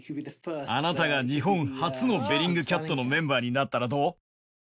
あなたが日本初のベリングキャットのメンバーになったらどう？